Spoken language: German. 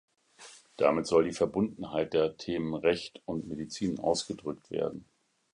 Damit soll die Verbundenheit der Themen Recht und Medizin ausgedrückt werden.